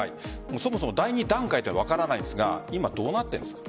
そもそも第２段階というのが分からないですが今どうなっているんですか？